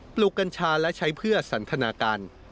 ลูกกัญชาและใช้เพื่อสันทนาการ